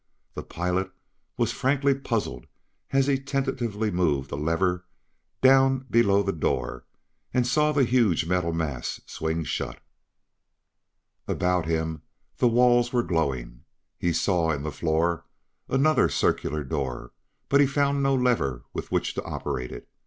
The pilot was frankly puzzled as he tentatively moved a lever down below that door and saw the huge metal mass swing shut. About him the walls were glowing. He saw, in the floor, another circular door, but found no lever with which to operate it.